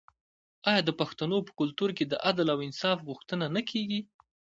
آیا د پښتنو په کلتور کې د عدل او انصاف غوښتنه نه کیږي؟